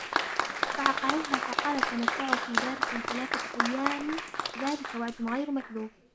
فعقروها فقال تمتعوا في داركم ثلاثة أيام ذلك وعد غير مكذوب